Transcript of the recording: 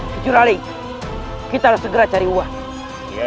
kicuraling kita harus segera cari saya